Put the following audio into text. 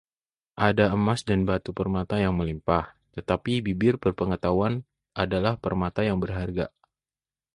Ada emas dan batu permata yang melimpah, tetapi bibir berpengetahuan adalah permata yang berharga.